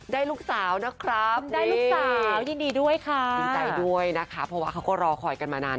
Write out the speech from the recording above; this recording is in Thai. ได้ลูกสาวนะครับได้ลูกสาวยินดีด้วยค่ะยินดีใจด้วยนะคะเพราะว่าเขาก็รอคอยกันมานาน